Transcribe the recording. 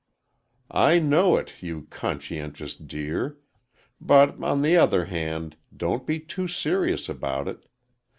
"I know it, you conscientious dear. But, on the other hand, don't be too serious about it.